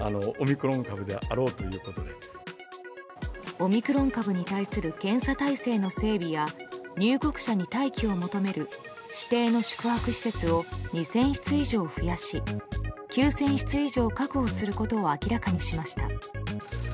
オミクロン株に対する検査体制の整備や入国者に待機を求める指定の宿泊施設を２０００室以上増やし９０００室以上確保することを明らかにしました。